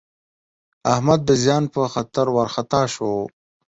احمد د زیان په خبر وارخطا شو.